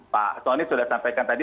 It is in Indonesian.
pak soni sudah sampaikan tadi